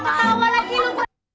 malah ketawa lagi lu